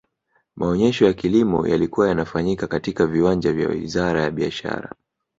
maonyesho ya kilimo yalikuwa yanafanyika katika viwanja vya wizara ya biashara